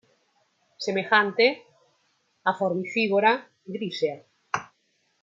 Semejante a "Formicivora grisea".